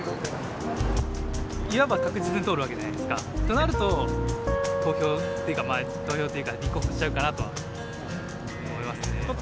いわば確実に通るわけじゃないですか、となると、投票というか立候補しちゃうかなと思いますね。